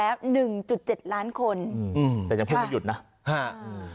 เสียไปไปแล้วหนึ่งจุดเจ็ดล้านคนอืมอืมแต่ยังเพิ่งไม่หยุดน่ะห้าม